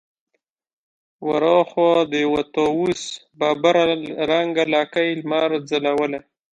ور هاخوا د يوه طاوس ببره رنګه لکۍ لمر ځلوله.